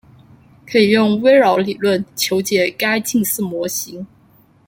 可以用微扰理论求解该近似模型。